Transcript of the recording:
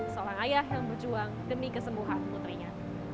seorang ayah yang berjuang demi kesembuhan putrinya